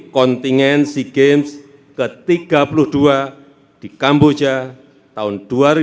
kontingen sea games ke tiga puluh dua di kamboja tahun dua ribu dua puluh